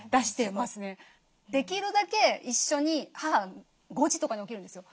できるだけ一緒に母５時とかに起きるんですよ。